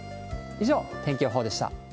以上、天気予報でした。